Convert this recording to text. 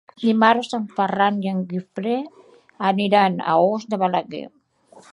Dimarts en Ferran i en Guifré aniran a Os de Balaguer.